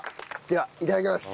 ではいただきます。